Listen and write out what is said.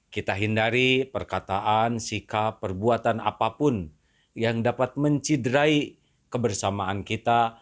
kita hindari perkataan sikap perbuatan apapun yang dapat mencidrai kebersamaan kita